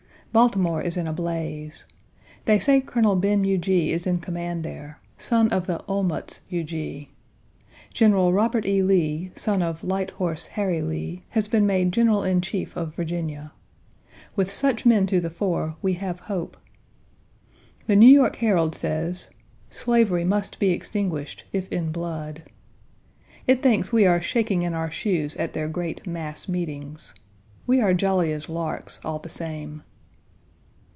Baltimore is in a blaze. They say Colonel Ben Huger is in command there son of the "Olmutz" Huger. General Robert E. Lee, son of Light Horse Harry Lee, has been made General in Chief of Virginia. With such men to the fore, we have hope. The New York Herald says, "Slavery must be extinguished, if in blood." It thinks we are shaking in our shoes at their great mass meetings. We are jolly as larks, all the same.